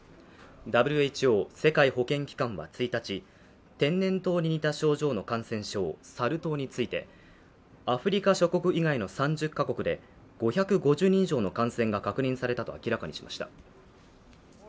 ＷＨＯ＝世界保健機関は１日、天然痘に似た症状の感染症サル痘についてアフリカ諸国以外の３０カ国で５５０人以上の感染が確認されたと明らかにしました。